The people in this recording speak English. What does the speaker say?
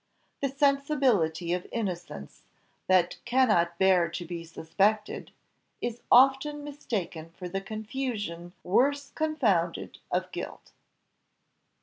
The sensibility of innocence, that cannot bear to be suspected, is often mistaken for the confusion worse confounded of guilt."